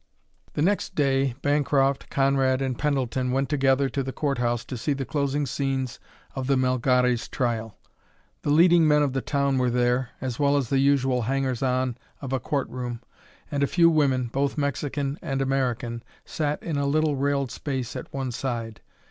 The next day Bancroft, Conrad, and Pendleton went together to the court house to see the closing scenes of the Melgares trial. The leading men of the town were there, as well as the usual hangers on of a court room, and a few women, both Mexican and American, sat in a little railed space at one side.